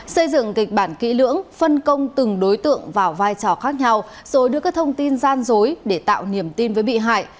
xây dựng kịch bản kỹ lưỡng phân công từng đối tượng vào vai trò khác nhau rồi đưa các thông tin gian dối để tạo niềm tin với bị hại